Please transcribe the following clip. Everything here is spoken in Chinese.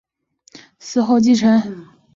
死后由齐丹塔二世继承。